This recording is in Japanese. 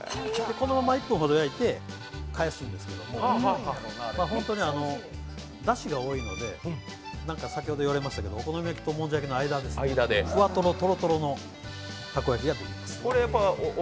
このまま１分ほど焼いて返すんですけど本当にだしが多いので先ほど言われましたけどお好み焼きともんじゃ焼きの間ですね、ふわとろ、とろとろのたこ焼きができます。